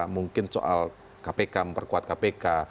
mungkin soal kpk memperkuat kpk